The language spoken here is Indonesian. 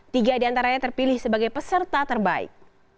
tiga di antaranya terpilih sebagai peserta terbaik